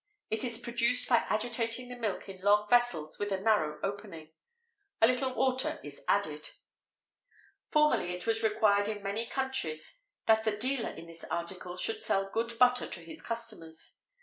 It is produced by agitating the milk in long vessels with a narrow opening. A little water is added."[XVIII 34] Formerly it was required in many countries that the dealer in this article should sell good butter to his customers.